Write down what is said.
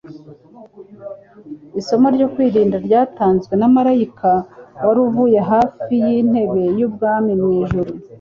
isomo ryo kwirinda ryatanzwe na maraika wari uvuye hafi y'intebe y'ubwami mu ijuru.